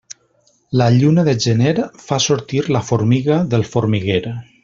La lluna de gener fa sortir la formiga del formiguer.